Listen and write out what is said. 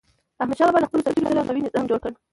احمدشاه بابا د خپلو سرتېرو سره قوي نظام جوړ کړ.